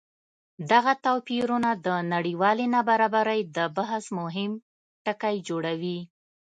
دغه توپیرونه د نړیوالې نابرابرۍ د بحث مهم ټکی جوړوي.